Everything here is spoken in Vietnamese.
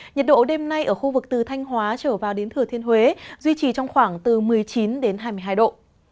nhiệt độ đêm nay ở khu vực từ thanh hóa trở vào đến thừa thiên huế duy trì trong khoảng từ một mươi chín hai mươi hai độ